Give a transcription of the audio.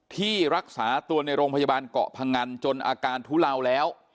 ที่รักษาตัวในโรงพยาบาลเกาะพงันจนอาการทุเลาแล้ว